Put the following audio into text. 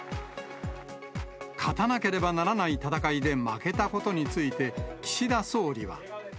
勝たなければならない戦いで負けたことについて、岸田総理は。